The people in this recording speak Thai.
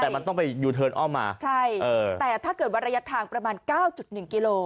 แต่มันต้องไปอยู่เทิร์นอ้อมมาใช่แต่ถ้าเกิดวันระยะทางประมาณ๙๑กิโล